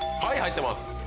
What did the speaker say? はい入ってます。